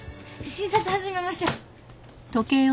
診察始めましょう。